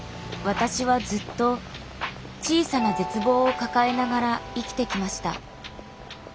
私はずっと小さな絶望を抱えながら生きてきました。